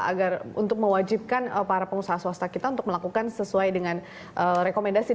agar untuk mewajibkan para pengusaha swasta kita untuk melakukan sesuai dengan rekomendasi